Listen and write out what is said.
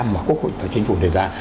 bốn mà quốc hội và chính phủ đề ra